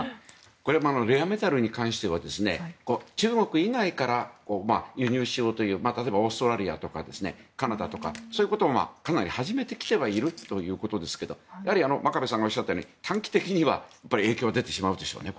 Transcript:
これはレアメタルに関しては中国以外から輸入しようという例えばオーストラリアとかカナダとかそういうことをかなり始めてきているということですが真壁さんがおっしゃったとおり短期的には影響が出てしまうでしょうね